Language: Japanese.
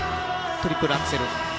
トリプルアクセル。